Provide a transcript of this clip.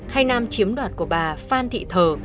hay nam chiếm đoạt của bà phan thị thờ